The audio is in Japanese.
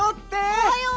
おはよう！